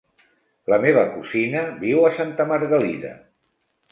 La meva cosina viu a Santa Margalida.